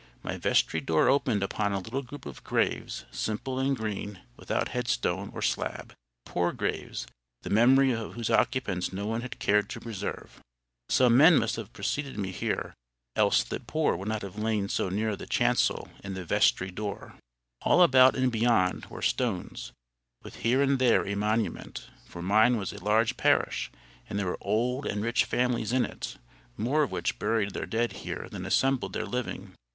My vestry door opened upon a little group of graves, simple and green, without headstone or slab; poor graves, the memory of whose occupants no one had cared to preserve. Good men must have preceded me here, else the poor would not have lain so near the chancel and the vestry door. All about and beyond were stones, with here and there a monument; for mine was a large parish, and there were old and rich families in it, more of which buried their dead here than assembled their living.